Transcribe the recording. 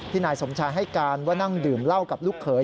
นายสมชายให้การว่านั่งดื่มเหล้ากับลูกเขย